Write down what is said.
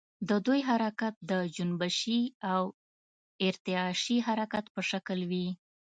د دوی حرکت د جنبشي او ارتعاشي حرکت په شکل وي.